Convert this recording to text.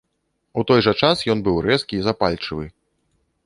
У той жа час ён быў рэзкі і запальчывы.